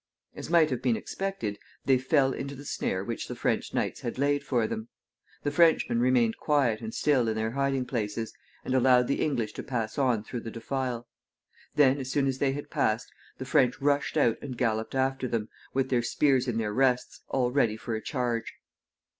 As might have been expected, they fell into the snare which the French knights had laid for them. The Frenchmen remained quiet and still in their hiding places, and allowed the English to pass on through the defile. Then, as soon as they had passed, the French rushed out and galloped after them, with their spears in their rests, all ready for a charge.